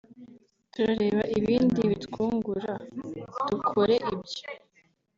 Turareba ibindi bitwungura dukore ibyo”